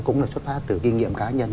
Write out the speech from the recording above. cũng là xuất phát từ kinh nghiệm cá nhân